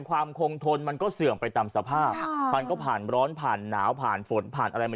ความคงทนมันก็เสื่อมไปตามสภาพมันก็ผ่านร้อนผ่านหนาวผ่านฝนผ่านอะไรมา